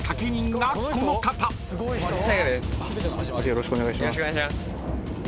よろしくお願いします。